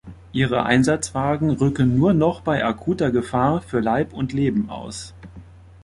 Ihre Einsatzwagen rücken nur noch bei akuter Gefahr für Leib und Leben aus.